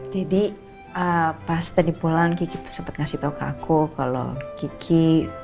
jadi pas tadi pulang kiki tuh sempet ngasih tau ke aku kalau kiki